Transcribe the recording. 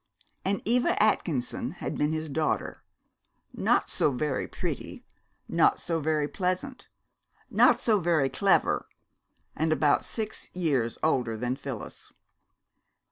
And Eva Atkinson had been his daughter, not so very pretty, not so very pleasant, not so very clever, and about six years older than Phyllis.